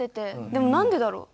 でも何でだろう？